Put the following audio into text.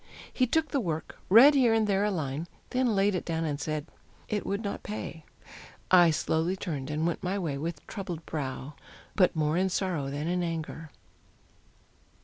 He took the work, Read here and there a line, then laid it down, And said, "It would not pay." I slowly turned, And went my way with troubled brow, "but more In sorrow than in anger."